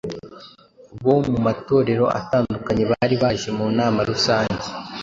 bo mu matorero atandukanye bari baje mu nama rusange.